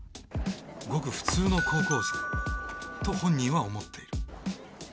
ごくフツーの高校生と本人は思っている。